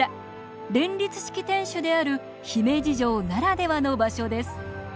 連立式天守である姫路城ならではの場所です。